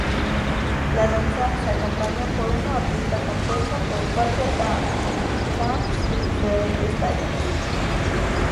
La danza se acompaña por una orquesta compuesta por cuatro tam-tams de diferentes tallas.